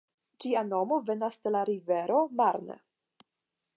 Ĝia nomo venas de la rivero Marne.